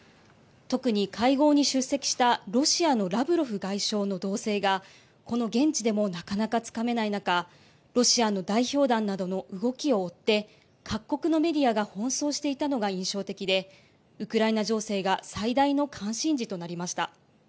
特に会合に出席したロシアのラブロフ外相の動静がこの現地でもなかなかつかめない中ロシアの代表団などの動きを追って各国のメディアが奔走していたのが印象的でウクライナ情勢が最大の関心事となりました。